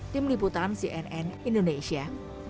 tim liputan cnn indonesia